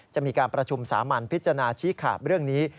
จะมีการประชุมสามัญพิจารณาชี้ขาดเรื่องนี้